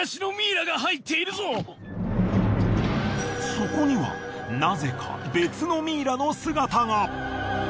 そこにはなぜか別のミイラの姿が。